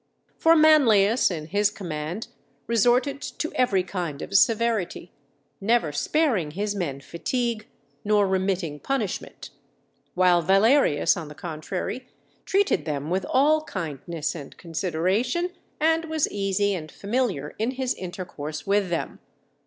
For Manlius, in his command, resorted to every kind of severity, never sparing his men fatigue, nor remitting punishment; while Valerius, on the contrary, treated them with all kindness and consideration, and was easy and familiar in his intercourse with them.